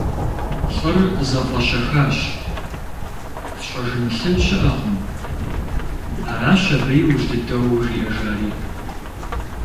Лӏыр зэфӏэщэхащ, «Фщӏэжын лъы щыӏэкъым», — аращ абы иужь дыдэу жиӏэжари.